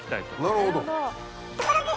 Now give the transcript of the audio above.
なるほど。